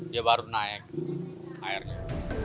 dia baru naik airnya